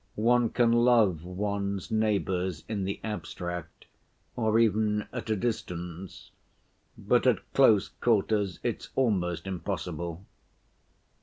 One can love one's neighbors in the abstract, or even at a distance, but at close quarters it's almost impossible.